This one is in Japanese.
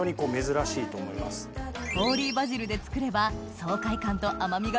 ホーリーバジルで作ればおいい。